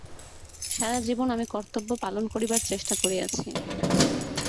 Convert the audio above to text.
সারা জীবন আমি কর্তব্য পালন করিবার চেষ্টা করিয়াছি।